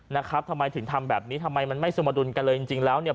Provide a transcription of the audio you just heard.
นะครับทำไมถึงทำแบบนี้ทำไมมันไม่สมดุลกันเลยจริงจริงแล้วเนี่ย